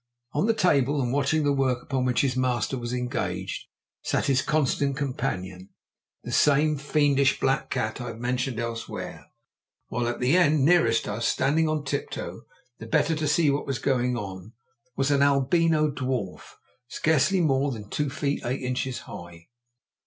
On the table, and watching the work upon which his master was engaged, sat his constant companion, the same fiendish black cat I have mentioned elsewhere; while at the end nearest us, standing on tip toe, the better to see what was going on, was an albino dwarf, scarcely more than two feet eight inches high.